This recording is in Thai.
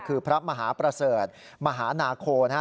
คือพระมหาประเสริฐมหานาโคนะฮะ